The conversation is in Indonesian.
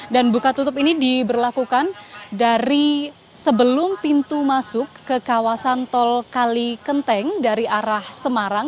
dan buka tutup ini diberlakukan dari sebelum pintu masuk ke kawasan tol kalikenteng dari arah semarang